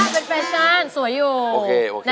เป็นแฟชั่นสวยอยู่